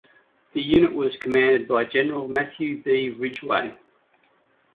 The unit was commanded by General Matthew B. Ridgway.